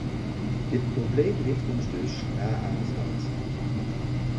Dit probleem ligt ons dus na aan het hart.